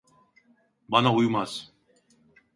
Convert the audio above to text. Bana uymaz.